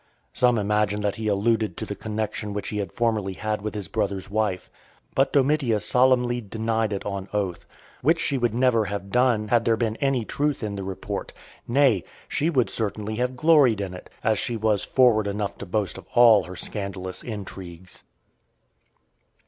Some imagine that he alluded to the connection which he had formerly had with his brother's wife. But Domitia solemnly denied it on oath; which she would never have done, had there been any truth in the report; nay, she would certainly have gloried in it, as she was forward enough to boast of all her scandalous intrigues.